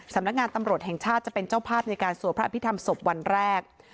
สำนักงานตำรวจแห่งชาติจะเป็นเจ้าภาพในการสวดพระอภิษฐรรมศพวันแรก